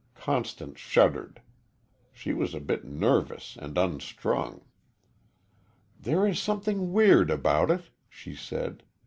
Constance shuddered. She was a bit nervous and unstrung. "There is something weird about it," she said.